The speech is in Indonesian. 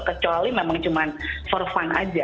kecuali memang cuma fir fun aja